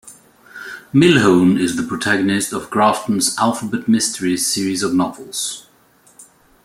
Millhone is the protagonist of Grafton's "alphabet mysteries" series of novels.